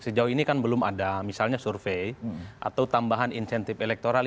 sejauh ini kan belum ada misalnya survei atau tambahan insentif elektoral